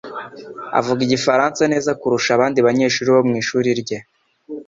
avuga igifaransa neza kurusha abandi banyeshuri bo mu ishuri rye